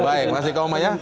baik kasih komanya